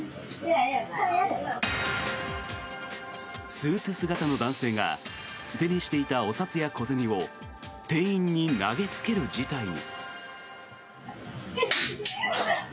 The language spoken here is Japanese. スーツ姿の男性が手にしていたお札や小銭を店員に投げつける事態に。